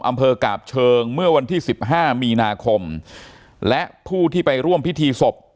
อำเภอกาบเชิงเมื่อวันที่สิบห้ามีนาคมและผู้ที่ไปร่วมพิธีศพ